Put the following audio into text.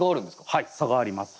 はい差があります。